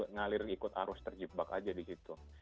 ngalir ikut arus terjebak aja di situ